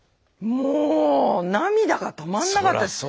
もう涙が止まんなかったです。